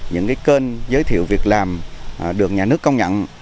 những kênh giới thiệu việc làm được nhà nước công nhận